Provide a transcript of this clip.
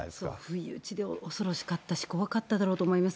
不意打ちで恐ろしかったし、怖かっただろうと思います。